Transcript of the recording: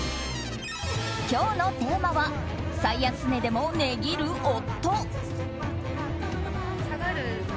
今日のテーマは最安値でも値切る夫。